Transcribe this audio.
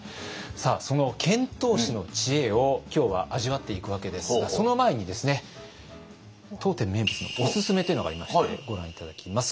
その遣唐使の知恵を今日は味わっていくわけですがその前にですね当店名物のおすすめというのがありましてご覧頂きます